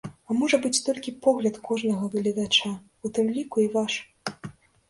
А можа быць толькі погляд кожнага гледача, у тым ліку і ваш.